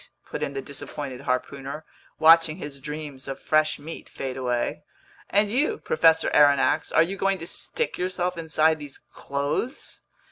put in the disappointed harpooner, watching his dreams of fresh meat fade away. "And you, Professor Aronnax, are you going to stick yourself inside these clothes?"